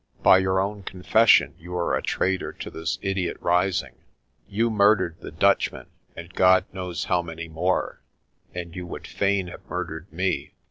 By your own confession you are a traitor to this idiot rising. You murdered the Dutch men and God knows how many more, and you would fain have murdered me.